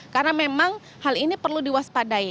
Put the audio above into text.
karena memang hal ini perlu diwaspadai